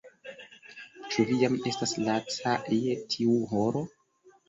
Ĉu vi jam estas laca je tiu horo?